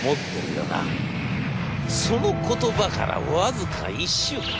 その言葉から僅か１週間。